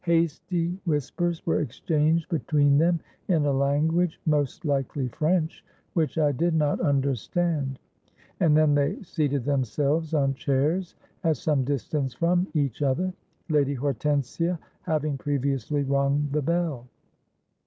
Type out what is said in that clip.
Hasty whispers were exchanged between them in a language—most likely French—which I did not understand; and then they seated themselves on chairs at some distance from each other, Lady Hortensia having previously rung the bell.